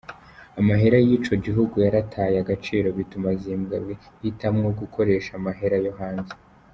Amahera y'ico gihugu yarataye agaciro bituma Zimbabwe ihitamwo gukoresha amahera yo hanze.